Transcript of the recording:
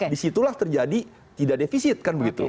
disitulah terjadi tidak defisit kan begitu